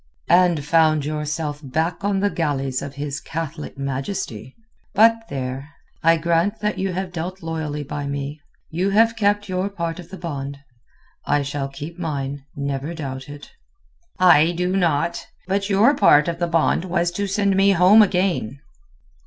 "And found yourself back on the galleys of his Catholic Majesty. But there! I grant that you have dealt loyally by me. You have kept your part of the bond. I shall keep mine, never doubt it." "I do not. But your part of the bond was to send me home again."